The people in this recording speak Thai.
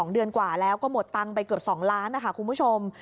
๒เดือนกว่าแล้วก็หมดตังค์ไปเกือบ๒ล้านนะคะคุณผู้ชม